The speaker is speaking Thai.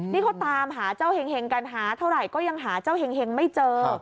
นี่เขาตามหาเจ้าเห็งกันหาเท่าไหร่ก็ยังหาเจ้าเห็งไม่เจอ